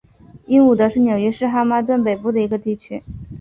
英伍德是纽约市曼哈顿北部的一个地区。